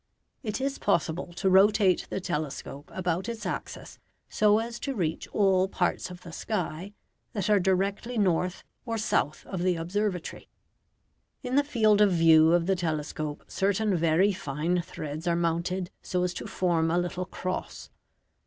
It is possible to rotate the telescope about its axis so as to reach all parts of the sky that are directly north or south of the observatory. In the field of view of the telescope certain very fine threads are mounted so as to form a little cross.